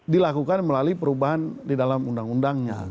dilakukan melalui perubahan di dalam undang undangnya